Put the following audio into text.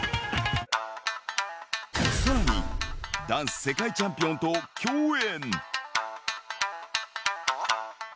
さらにダンス世界チャンピオンと共演